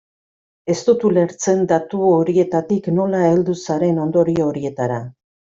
Ez dut ulertzen datu horietatik nola heldu zaren ondorio horietara.